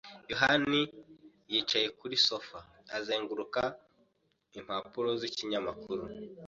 yohani yicaye kuri sofa, azenguruka impapuro z'ikinyamakuru.